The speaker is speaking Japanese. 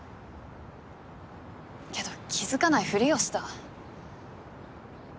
けど気付かないふりをした。